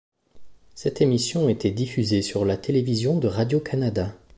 Cette émission était diffusée sur la Télévision de Radio-Canada.